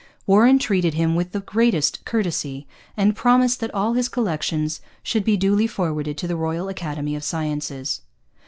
Warren treated him with the greatest courtesy and promised that all his collections should be duly forwarded to the Royal Academy of Sciences.